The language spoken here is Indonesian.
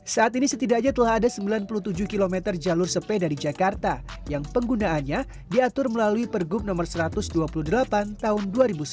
saat ini setidaknya telah ada sembilan puluh tujuh km jalur sepeda di jakarta yang penggunaannya diatur melalui pergub no satu ratus dua puluh delapan tahun dua ribu sembilan belas